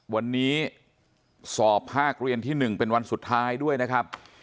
วันนี้สอบภาคเรียนที่๑เป็นวันสุดท้ายด้วยนะครับ